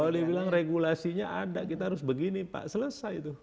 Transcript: boleh dibilang regulasinya ada kita harus begini pak selesai itu